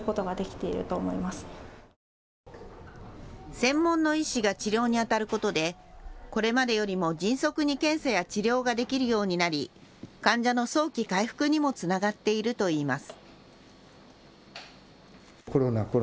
専門の医師が治療にあたることでこれまでよりも迅速に検査や治療ができるようになり患者の早期回復にもつながっているといいます。